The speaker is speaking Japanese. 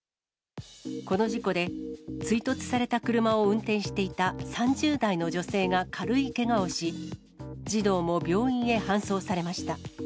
この事故で、追突された車を運転していた３０代の女性が軽いけがをし、児童も病院へ搬送されました。